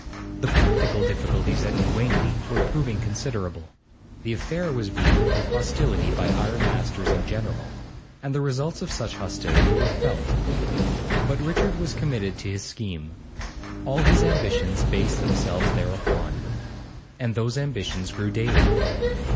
The practical difficulties at New Wanley were proving considerable; the affair was viewed with hostility by ironmasters in general, and the results of such hostility were felt. But Richard was committed to his scheme; all his ambitions based themselves thereupon. And those ambitions grew daily.